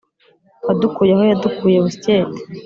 wadukuye aho yadukuye busyete